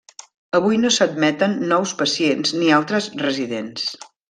Avui no s'admeten nous pacients ni altres residents.